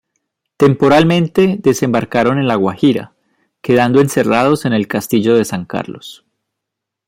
Temporalmente desembarcaron en La Guaira, quedando encerrados en el Castillo de San Carlos.